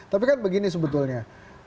tapi kan begini sebetulnya